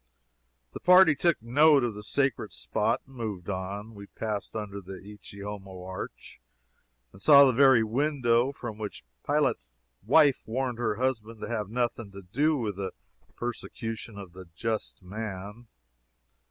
The party took note of the sacred spot, and moved on. We passed under the "Ecce Homo Arch," and saw the very window from which Pilate's wife warned her husband to have nothing to do with the persecution of the Just Man.